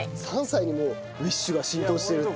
３歳にもウィッシュが浸透してるって。